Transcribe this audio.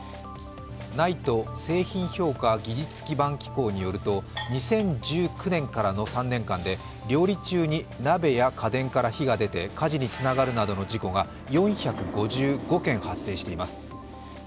ＮＩＴＥ＝製品評価技術基盤機構によると、２０１９年からの３年間で料理中に鍋や家電から火が出て火事につながるなどの事故が４５５件発生しています。